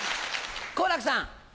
好楽さん。